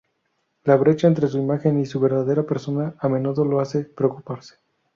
La brecha entre su imagen y su verdadera persona a menudo lo hace preocuparse.